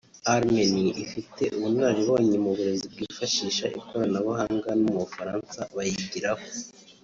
Armenié ifite ubunanaribonye mu burezi bwifashisha ikoranabuhanga no mu Bufaransa bayigiraho